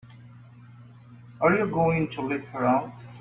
Are you going to let her out?